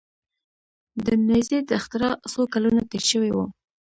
د نیزې د اختراع څو کلونه تیر شوي وو.